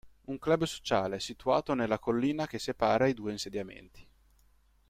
Un club sociale è situato nella collina che separa i due insediamenti.